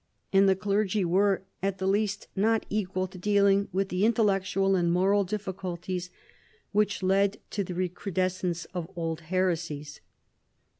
And the clergy were, at the least, not equal to dealing with the intel lectual and moral difficulties which led to the recru descence of old heresies.